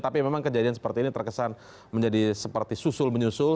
tapi memang kejadian seperti ini terkesan menjadi seperti susul menyusul